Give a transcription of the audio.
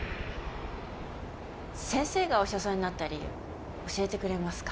先生がお医者さんになった理由教えてくれますか？